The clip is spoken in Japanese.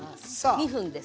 ２分です。